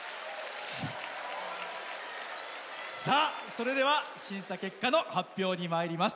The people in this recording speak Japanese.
それでは審査結果の発表にまいります。